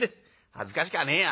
「恥ずかしかねえや。